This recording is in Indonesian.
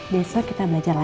besok kita belajar lagi